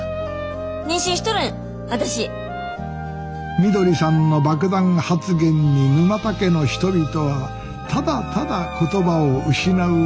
みどりさんの爆弾発言に沼田家の人々はただただ言葉を失うばかりでした